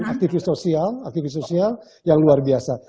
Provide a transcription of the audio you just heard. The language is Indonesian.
aktivis sosial yang luar biasa